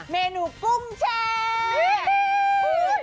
เมนูกุ้งแชร์